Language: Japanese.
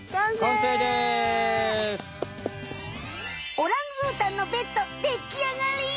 オランウータンのベッドできあがり！